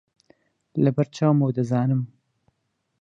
لەبەر چاومە و دەزانم